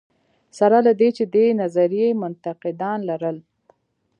سره له دې چې دې نظریې منتقدان لرل.